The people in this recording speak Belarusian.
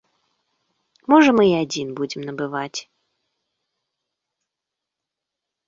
Можа мы і адзін будзем набываць.